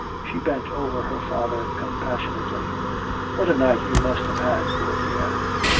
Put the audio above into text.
She bent over her father compassionately. "What a night you must have had, poor dear."